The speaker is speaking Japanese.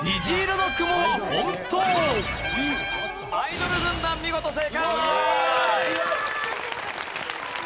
アイドル軍団見事正解！